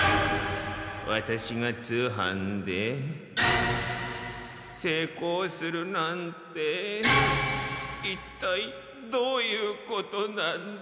ワタシが通販でせいこうするなんていったいどういうことなんだ？